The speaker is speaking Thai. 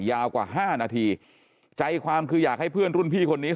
ยาวกว่าห้านาทีใจความคืออยากให้เพื่อนรุ่นพี่คนนี้